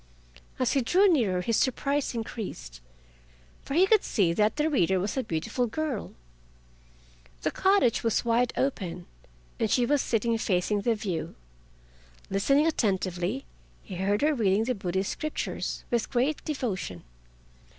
As he drew nearer his surprise increased, for he could see that the reader was a beautiful girl. The cottage was wide open and she was sitting facing the view. Listening attentively, he heard her reading the Buddhist scriptures with great devotion.